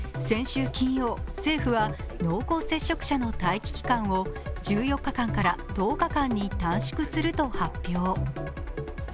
先週金曜、政府は濃厚接触者の待機期間を１４日間から１０日間に短縮すると発表。